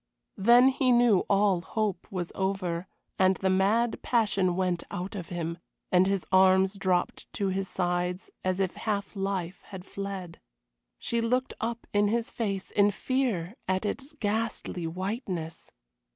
Then he knew all hope was over, and the mad passion went out of him, and his arms dropped to his sides as if half life had fled. She looked up in his face in fear at its ghastly whiteness.